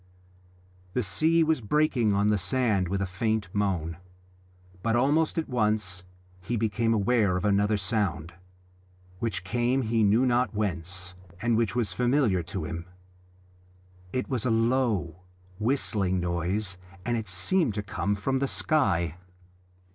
The sea was breaking on the sand with a faint moan. But almost at once he became aware of another sound, which came he knew not whence, and which was familiar to him. It was a low whistling noise, and it seemed to come from the sky.